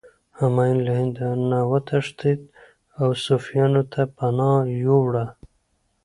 همایون له هند نه وتښتېد او صفویانو ته پناه یووړه.